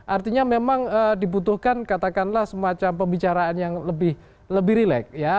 artinya memang dibutuhkan katakanlah semacam pembicaraan yang lebih relax ya